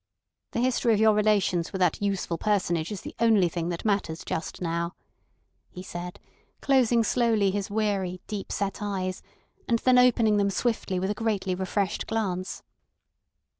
"The history of your relations with that useful personage is the only thing that matters just now," he said, closing slowly his weary, deep set eyes, and then opening them swiftly with a greatly refreshed glance.